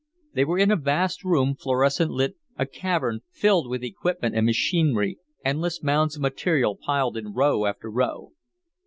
They were in a vast room, fluorescent lit, a cavern filled with equipment and machinery, endless mounds of material piled in row after row.